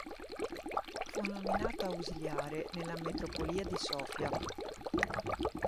Fu nominato ausiliare della metropolia di Sofia.